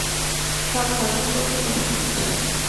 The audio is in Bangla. সব হজম করতে কষ্ট হচ্ছে।